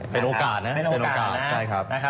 เป็นโอกาสนะ